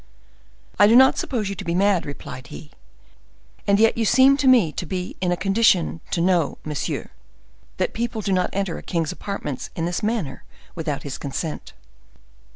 "I do not suppose you to be mad," replied he; "and yet you seem to me to be in a condition to know, monsieur, that people do not enter a king's apartments in this manner without his consent."